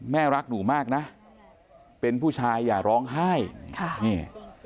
แม่รักหลงมากนะเป็นผู้ชายอย่าร้องห้ายนี่นี่